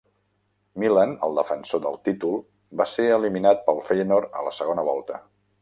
Milan, el defensor del títol, va ser eliminat pel Feyenoord a la segona volta.